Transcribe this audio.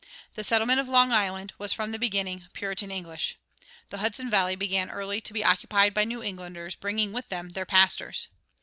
The settlement of Long Island was from the beginning Puritan English. The Hudson Valley began early to be occupied by New Englanders bringing with them their pastors.